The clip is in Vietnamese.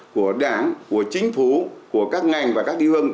của đảng của chính phủ của các ngành và các địa phương